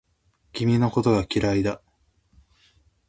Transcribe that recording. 君のことが嫌いだ